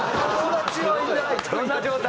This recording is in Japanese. どんな状態？